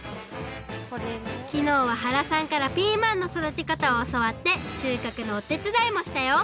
きのうは原さんからピーマンのそだてかたをおそわってしゅうかくのおてつだいもしたよ！